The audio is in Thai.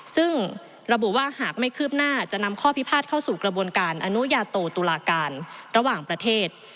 ซึ่งระบุว่าหากไม่คืบหน้าจะนำข้อพิพาทเข้าสู่กระบวนการอนุญาโตตุลาการระหว่างประเทศ